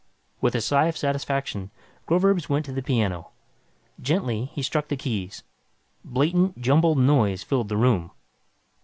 With a sigh of satisfaction, Groverzb went to the piano. Gently, he struck the keys. Blatant, jumbled noise filled the room.